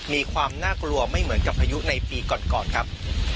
มีความน่ากลัวไม่เหมือนกับพายุในปีก่อนครับ